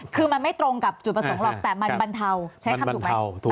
คือมันไม่ตรงกับจุดประสงค์หรอกแต่มันบรรเทาใช้คำถูกไหม